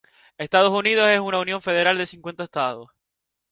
Estados Unidos es una unión federal de cincuenta estados.